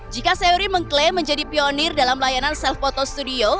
jika seori mengklaim menjadi pionir dalam layanan self photo studio